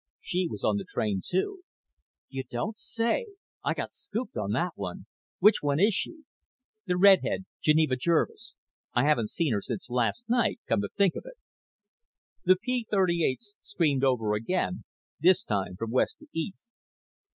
She was on the train, too." "You don't say! I got scooped on that one. Which one is she?" "The redhead. Geneva Jervis. I haven't seen her since last night, come to think of it." The P 38's screamed over again, this time from west to east.